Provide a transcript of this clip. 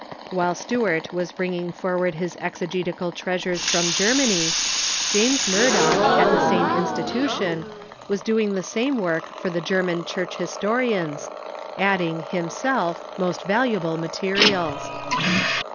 While Stuart was bringing forward his exegetical treasures from Germany, James Murdock, at the same institution, was doing the same work for the German church historians, adding, himself, most valuable materials.